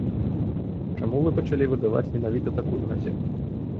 Чаму вы пачалі выдаваць менавіта такую газету?